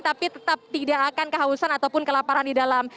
tapi tetap tidak akan kehausan ataupun kelaparan di dalam